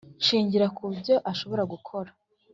shingira ku byo ashobora gukora